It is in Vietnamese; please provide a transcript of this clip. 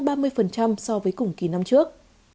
so với cùng kỳ năm trước